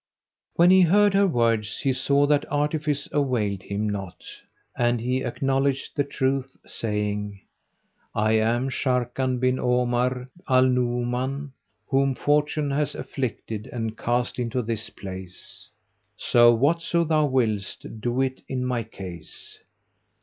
When he heard her words he saw that artifice availed him naught and he acknowledged the truth, saying, "I am Sharrkan, bin Omar bin al Nu'uman, whom fortune hath afflicted and cast into this place; so whatso thou willest, do it in my case!"